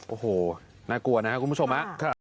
โอ้โหน่ากลัวนะครับคุณผู้ชมฮะ